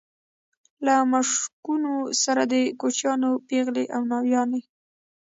له مشکونو سره د کوچیانو پېغلې او ناويانې.